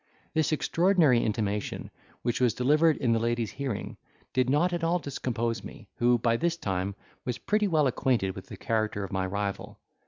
This extraordinary intimation, which was delivered in the lady's hearing, did not at all discompose me, who, by this time, was pretty well acquainted with the character of my rival.